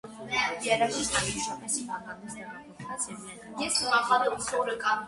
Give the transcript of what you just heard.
Երաժիշտն անմիջապես հիվանդանոց տեղափոխվեց և միայն հաջորդ օրը գիտակցության եկավ։